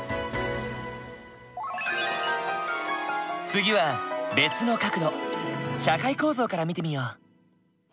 次は別の角度社会構造から見てみよう。